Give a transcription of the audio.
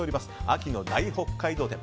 秋の大北海道展。